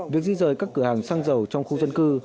việc di rời các cửa hàng xăng dầu trong khu dân cư